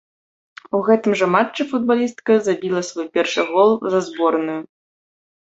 У гэтым жа матчы футбалістка забіла свой першы гол за зборную.